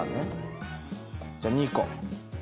じゃあ２個。